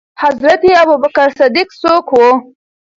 حضرت ابوبکر صديق څوک وو؟